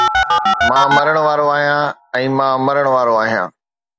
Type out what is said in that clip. مان مرڻ وارو آهيان ۽ مان مرڻ وارو آهيان